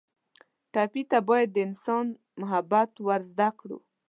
ټپي ته باید د انسان محبت ور زده کړو.